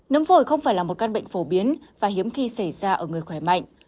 nấm phổi không phải là một căn bệnh phổ biến và hiếm khi xảy ra ở người khỏe mạnh